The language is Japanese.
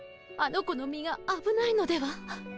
あの子の身があぶないのでは？